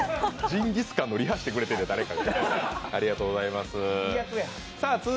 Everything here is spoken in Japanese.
ジンギスカンのリハしてくれてる、誰かが。